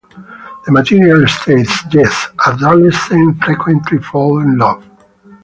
The material states, Yes, adolescents frequently fall in love.